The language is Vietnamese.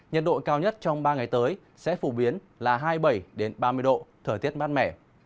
nhiệt độ cao nhất trong ba ngày tới sẽ phổ biến là hai mươi bảy ba mươi độ thời tiết mát mẻ